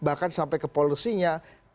bahkan sampai ke polusinya